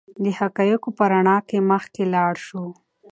د حقایقو په رڼا کې مخکې لاړ شو.